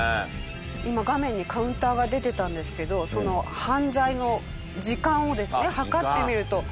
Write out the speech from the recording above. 今画面にカウンターが出てたんですけど犯罪の時間をですね計ってみると